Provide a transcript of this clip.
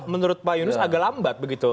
menurut pak yunus agak lambat begitu